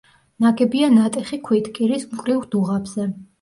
ნაგებია ნატეხი ქვით კირის მკვრივ დუღაბზე.